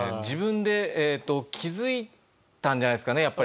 自分で気づいたんじゃないですかね？